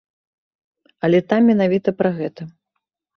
Але там менавіта пра гэта.